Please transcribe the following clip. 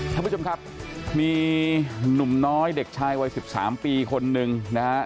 ท่านผู้ชมครับมีหนุ่มน้อยเด็กชายวัย๑๓ปีคนนึงนะฮะ